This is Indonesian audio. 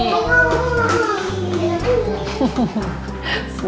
seneng sekali rena